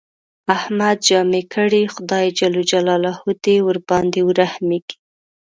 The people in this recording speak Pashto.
احمد جامې کړې، خدای ج دې ورباندې ورحمېږي.